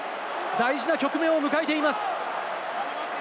大事な局面を迎えています。